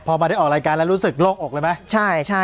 พอมาได้ออกรายการแล้วรู้สึกโลกอกเลยมะ